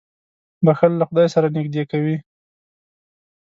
• بښل له خدای سره نېږدې کوي.